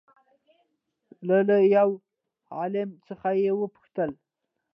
له له يوه عالم څخه يې وپوښتل